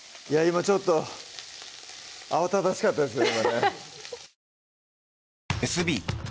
今ちょっと慌ただしかったですね